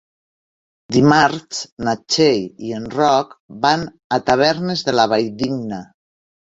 Dimarts na Txell i en Roc van a Tavernes de la Valldigna.